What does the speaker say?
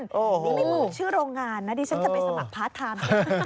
นี่ไม่เหมือนชื่อโรงงานนะดิฉันจะไปสมัครพาร์ทไทม์